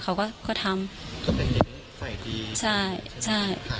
ก็เป็นเด็กดีรู้สึกคะ